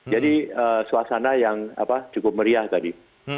jadi suasana yang cukup meriah tadi